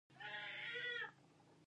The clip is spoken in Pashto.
قطبي خرس سپین رنګ لري